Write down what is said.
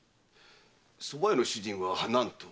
蕎麦屋の主人は何と？